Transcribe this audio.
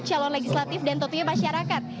calon legislatif dan tentunya masyarakat